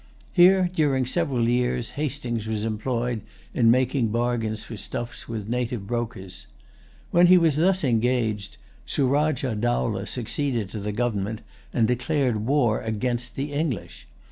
Here, during several years, Hastings was employed in making bargains for stuffs with native brokers. While he was thus engaged, Surajah Dowlah succeeded to the government, and declared war against the English.